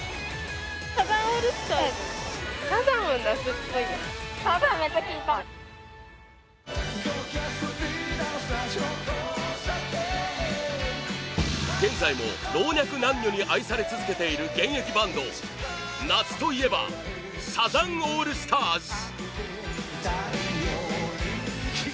「高気圧はＶＥＮＵＳ達の交差点」現在も老若男女に愛され続けている現役バンド夏といえばサザンオールスターズ！